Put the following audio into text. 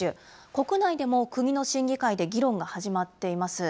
国内でも国の審議会で議論が始まっています。